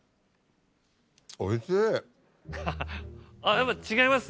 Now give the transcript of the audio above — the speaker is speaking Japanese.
やっぱ違います？